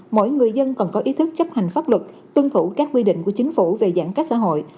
mỗi người dân còn có ý thức chấp hành pháp luật tuân thủ các quy định của chính phủ về giãn cách xã hội